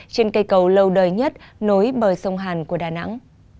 trên cây cầu lâu đời nhất nối bờ sông hàn của đà nẵng